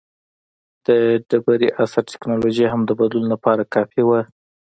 د ډبرې عصر ټکنالوژي هم د بدلون لپاره کافي وه.